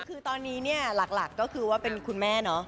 คือตอนนี้หลักก็คือว่าคุณแม่เนอะ